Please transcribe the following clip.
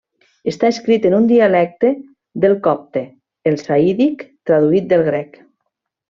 Està escrit en un dialecte del copte, el sahídic, traduït del grec.